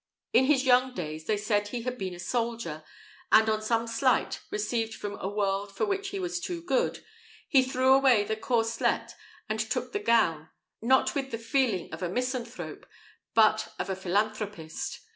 In his young days they said he had been a soldier; and on some slight, received from a world for which he was too good, he threw away the corslet and took the gown, not with the feeling of a misanthrope, but of a philanthropist.